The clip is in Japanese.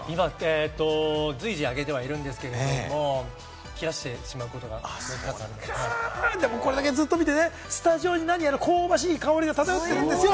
随時揚げてはいるんですけれども、切らせてしまうことがこれだけ見て、何やらスタジオに香ばしい香りが漂ってるんですよ。